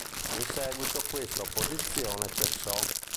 In seguito questa opposizione cessò.